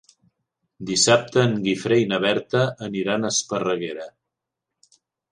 Dissabte en Guifré i na Berta aniran a Esparreguera.